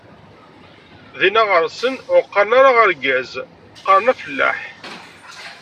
Dinna ɣer-sen ur qqaren ara argaz, qqaren afellaḥ.